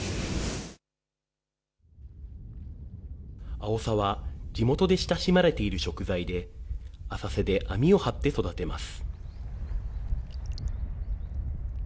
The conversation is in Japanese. アオサは地元で親しまれている食材で、浅瀬で網を張って育てます。